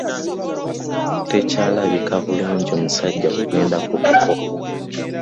Tekyalabika bulungi musajja kugendagenda ku buko.